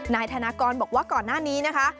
นายธนากรบอกว่าก่อนหน้านี้นะคะ